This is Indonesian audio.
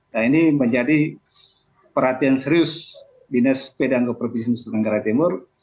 nah ini menjadi perhatian serius dinas pedangga provinsi nusantara timur